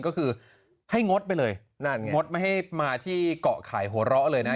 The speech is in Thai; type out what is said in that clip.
ก็คือให้งดไปเลยงดมาให้มาที่เกาะขายโหล้เลยนะ